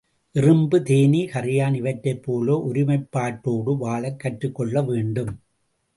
எறும்பு, தேனீ, கறையான் இவற்றைப் போல ஒருமைப்பாட்டோடு வாழக் கற்றுக்கொள்ள வேண்டும்.